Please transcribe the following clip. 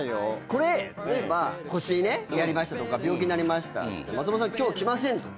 これ例えば「腰やりました」とか「病気になりました」って「松本さん今日来ません」とか。